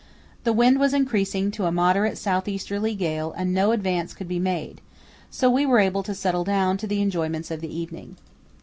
The wind was increasing to a moderate south easterly gale and no advance could be made, so we were able to settle down to the enjoyments of the evening.